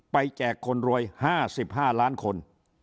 แจกคนรวย๕๕ล้านคน